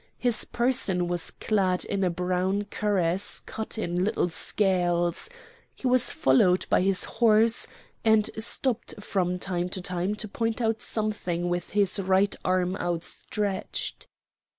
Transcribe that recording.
His person was clad in a brown cuirass cut in little scales; he was followed by his horse, and stopped from time to time to point out something with his right arm outstretched.